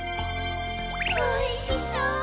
おいしそう！